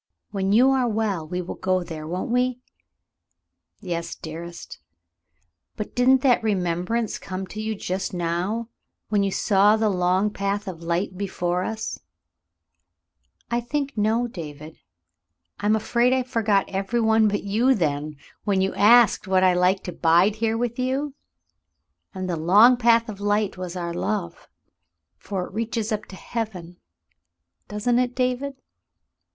When you are well, we will go there, won't we.'^" "Yes, dearest ; but didn't the remembrance come to you just now, when you saw the long path of light before us .f^" "I think no, David. I'm afraid I forgot every one but you then, when you asked would I like to bide here with you ; and the long path of light was our love — for it reaches up to heaven, doesn't it, David